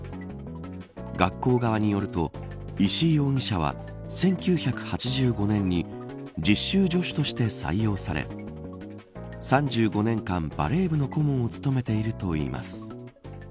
学校側によると石井容疑者は１９８５年に実習助手として採用され３５年間バレー部の顧問を務めているといいます。